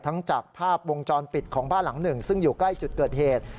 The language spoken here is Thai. จากภาพวงจรปิดของบ้านหลังหนึ่งซึ่งอยู่ใกล้จุดเกิดเหตุ